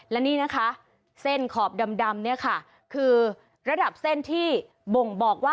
และนี่นะคะเส้นขอบดำเนี่ยค่ะคือระดับเส้นที่บ่งบอกว่า